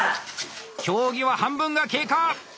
競技は半分が経過。